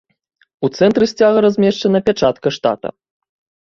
У цэнтры сцяга размешчана пячатка штата.